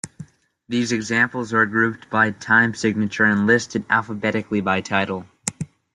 These examples are grouped by time signature, and listed alphabetically by title.